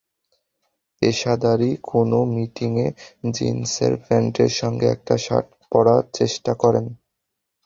পেশাদারি কোনো মিটিংয়ে জিনসের প্যান্টের সঙ্গে একটা শার্ট পরার চেষ্টা করেন।